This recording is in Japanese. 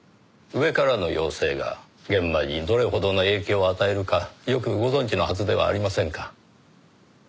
上からの要請が現場にどれほどの影響を与えるかよくご存じのはずではありませんか。